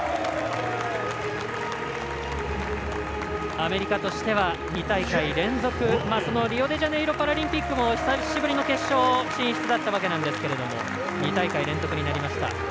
アメリカとしては２大会連続リオデジャネイロパラリンピックも久しぶりの決勝進出だったわけですけども２大会連続になりました。